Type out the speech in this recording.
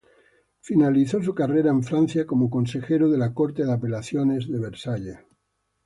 Finalizó su carrera en Francia como consejero de la Corte de Apelaciones de Versalles.